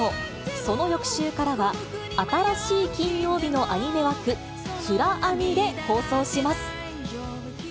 その翌週からは、新しい金曜日のアニメ枠、フラアニで放送します。